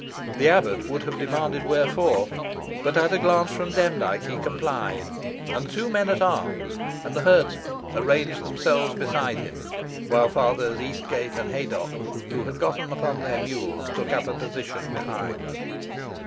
The abbot would have demanded wherefore, but at a glance from Demdike he complied, and the two men at arms, and the herdsmen, arranged themselves beside him, while Fathers Eastgate and Haydocke, who had gotten upon their mules, took up a position behind.